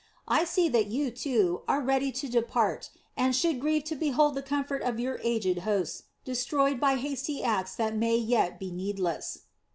I see that you, too, are ready to depart and should grieve to behold the comfort of your aged hosts destroyed by hasty acts that may yet be needless."